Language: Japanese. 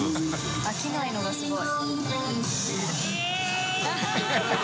飽きないのがすごい。